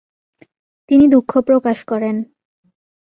তিনি দুঃখ প্রকাশ করেন।